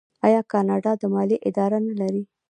آیا کاناډا د مالیې اداره نلري؟